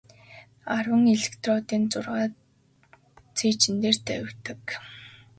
Арван электродын зургаа нь цээжин дээр тавигддаг.